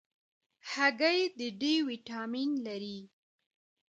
هګۍ د D ویټامین لري.